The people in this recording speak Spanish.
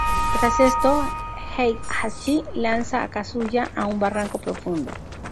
Tras esto, Heihachi lanza a Kazuya a un barranco profundo.